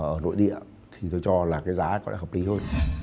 ở nội địa thì tôi cho là giá có lẽ hợp lý hơn